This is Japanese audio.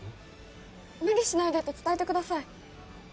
うん無理しないでって伝えてください！